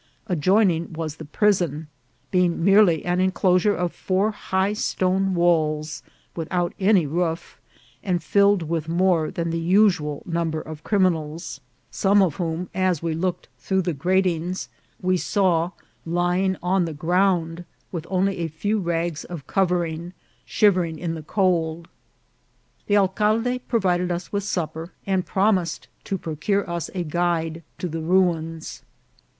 Adjoining was the prison, being merely an enclosure of four high stone walls, without any roof, and filled with more than the usual number of criminals, some of whom, SANTA CRUZ DEL QUICHE. SANTA CRUZ DEL QUICHE. 171 as we looked through the gratings, we saw lying on the ground, with only a few rags of covering, shivering in the cold. The alcalde provided us with supper, and promised to procure us a guide to the ruins.